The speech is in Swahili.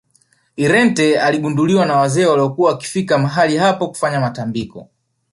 irente iligunduwa na wazee waliokuwa wakifika mahali hapo kufanya matambiko